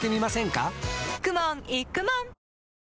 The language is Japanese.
かくもんいくもん・